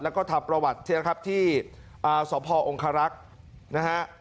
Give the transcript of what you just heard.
แล้วก็ถามประวัติเชียวนะครับที่อ่าสอบภอองคารักษ์นะฮะ